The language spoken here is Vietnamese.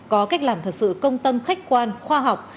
có cách làm thật sự công tâm khách quan khoa học